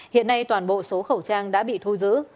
hiện nay toàn bộ số khẩu trang đã bị thu giữ